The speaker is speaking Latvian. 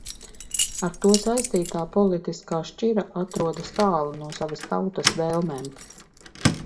Ar to saistītā politiskā šķira atrodas tālu no savas tautas vēlmēm.